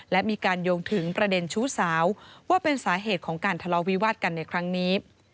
และมีการโยงถึงประเด็นชู้สาวว่าเป็นสาเหตุของการทะเลาวิวาสกันในครั้งนี้